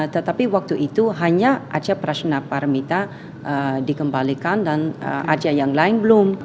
tetapi waktu itu hanya arca prasnaparamita dikembalikan dan arca yang lain belum